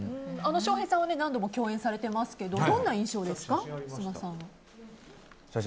翔平さんは何度も共演されてますけどどんな印象ですか？